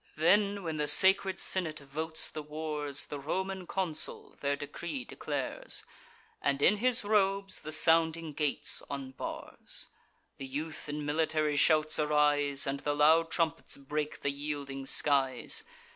Then, when the sacred senate votes the wars, The Roman consul their decree declares, And in his robes the sounding gates unbars. The youth in military shouts arise, And the loud trumpets break the yielding skies.